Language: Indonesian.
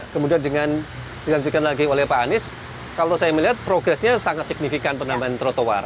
kemudian dengan dilanjutkan lagi oleh pak anies kalau saya melihat progresnya sangat signifikan penambahan trotoar